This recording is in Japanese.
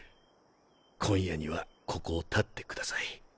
今夜にはここを発ってください。